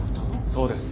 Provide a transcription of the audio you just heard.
そうです。